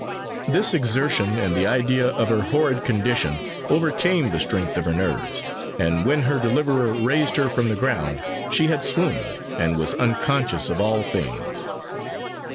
This exertion, and the idea of her horrid condition, overcame the strength of her nerves; and when her deliverer raised her from the ground she had swooned, and was unconscious of all things.